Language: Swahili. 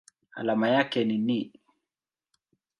Alama yake ni Ni.